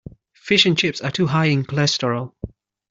Fish and chips are too high in cholesterol.